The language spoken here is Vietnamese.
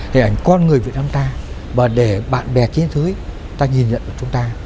hình ảnh con người việt nam ta và để bạn bè chiến thức ta nhìn nhận chúng ta